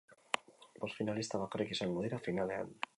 Bost finalista bakarrik izango dira finalean.